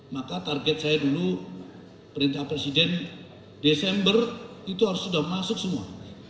maka target saya dulu perintah presiden desember itu harus sudah masuk semua